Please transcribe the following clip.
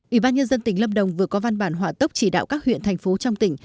ủy ban nhân dân tỉnh lâm đồng vừa có văn bản hỏa tốc chỉ đạo các huyện thành phố trong tỉnh